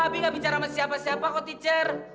abi ga bicara sama siapa siapa kok teacher